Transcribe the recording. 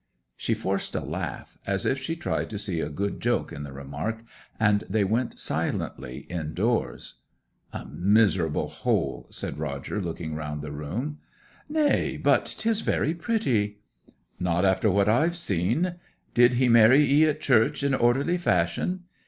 She forced a laugh, as if she tried to see a good joke in the remark, and they went silently indoors. 'A miserable hole!' said Roger, looking round the room. 'Nay, but 'tis very pretty!' 'Not after what I've seen. Did he marry 'ee at church in orderly fashion?'